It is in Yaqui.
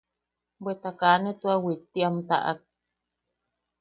Bweta kaa ne tua ne witti am taʼak.